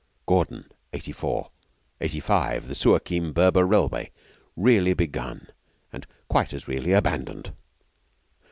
Gordon Eighty four Eighty five the Suakim Berber Railway really begun and quite as really abandoned.